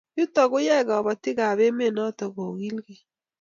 Yutok koyae kabatik ab emet notok kokilgei